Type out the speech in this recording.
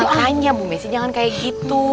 tanya bu messi jangan kayak gitu